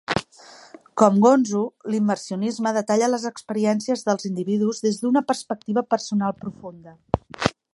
Com Gonzo, l'immersionisme detalla les experiències dels individus des d'una perspectiva personal profunda.